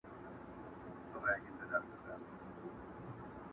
په للو دي هره شپه يم زنگولى.!